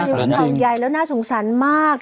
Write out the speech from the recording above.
แผ่นดินไหว้ของใหญ่แล้วน่าสงสันมาก